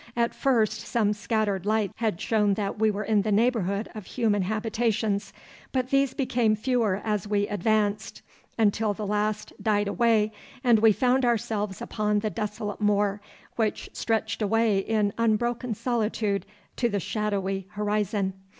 At first some scattered lights had shown that we were in the neighbourhood of human habitations, but these became fewer as we advanced, until the last died away and we found ourselves upon the desolate moor which stretched away in unbroken solitude to the shadowy horizon.